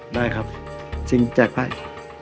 ได้ครับสิ่งแจกไพ่